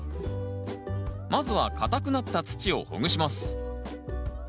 まずは固くなった土をほぐします